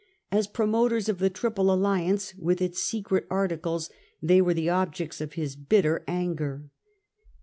As promoters of the Triple Alliance with its secret articles they were the objects of his bitter anger.